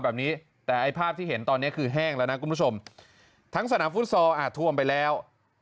แบบนี้แต่ไอ้ภาพที่เห็นตอนนี้คือแห้งแล้วนะคุณผู้ชมทั้งสนามฟุตซอลอาจท่วมไปแล้ว